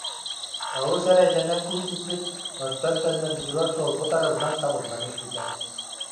Олус эрэйдэнэн тиийбиппит, оттон төннөрбүтүгэр суолбут арыллан, табыллан испитэ